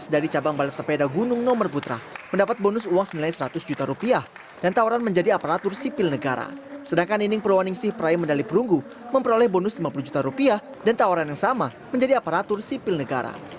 dari ini saya bersebutkan untuk indonesia dan untuk istri saya yang pakai kandung